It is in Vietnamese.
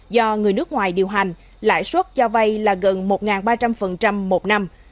do người nước ngoài điều hành lãi suất cho vay là gần một ba trăm linh một năm